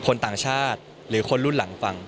คนต่างชาติหรือคนรุ่นหลังฟัง